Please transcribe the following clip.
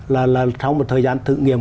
là sau một thời gian thử nghiệm